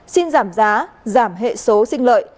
xin giảm giá giảm hệ số sinh lợi